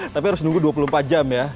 tapi harus nunggu dua puluh empat jam ya